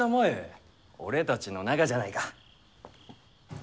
俺たちの仲じゃないか。